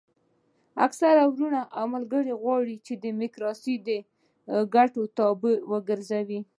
اکثره وروڼه او ملګري غواړي چې ډیموکراسي د ګټو تابع وګرځوي.